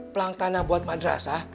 plank tanah buat madrasah